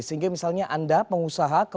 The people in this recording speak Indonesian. sehingga misalnya anda pengusaha